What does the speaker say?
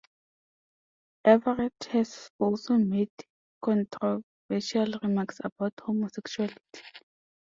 Everett has also made controversial remarks about homosexuality.